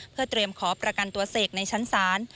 เพื่อเตรียมขอประกันตัวเสกในชั้นศาล